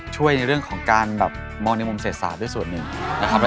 ในเรื่องของการแบบมองในมุมเศรษฐศาสตร์ด้วยส่วนหนึ่งนะครับ